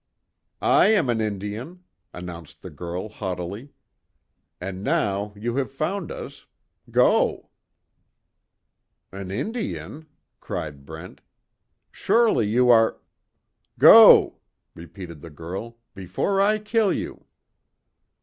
"I am an Indian," announced the girl, haughtily, "And, now you have found us go!" "An Indian!" cried Brent, "Surely, you are " "Go!" Repeated the girl, "Before I kill you!"